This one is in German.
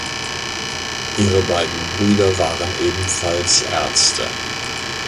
Ihre beiden Brüder waren ebenfalls Ärzte.